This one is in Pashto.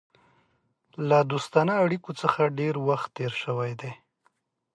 د دوستانه اړېکو څخه ډېر وخت تېر شوی دی.